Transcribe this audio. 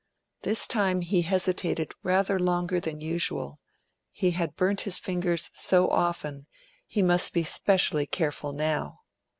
This time he hesitated rather longer than usual; he had burned his fingers so often he must be specially careful now.